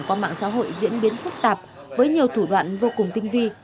tội phạm xã hội diễn biến phức tạp với nhiều thủ đoạn vô cùng tinh vi